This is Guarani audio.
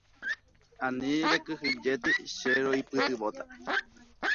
Ani rekyhyjéti, che roipytyvõta.